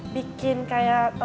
bikin kayak hiasan kelas gitu